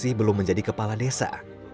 masih belum menjadi kepala desa